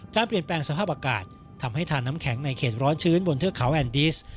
การเปลี่ยนแปลงสภาพอากาศทำให้ทานน้ำแข็งในเขตร้อนชื้นบนเทือกเขาแอนดิส